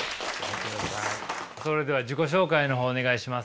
それでは自己紹介の方お願いします。